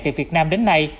từ việt nam đến nay